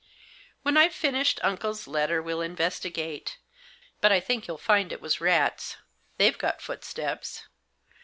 "When I've finished uncle's letter we'll investi gate; but I think you'll find it was rats — they've got footsteps.